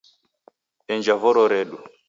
Enja voro redu